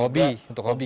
hobi untuk hobi